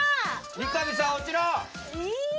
三上さん、落ちろ！